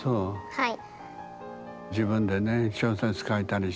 はい。